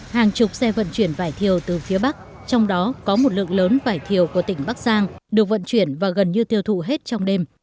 hàng chục xe vận chuyển vải thiều từ phía bắc trong đó có một lượng lớn vải thiều của tỉnh bắc giang được vận chuyển và gần như tiêu thụ hết trong đêm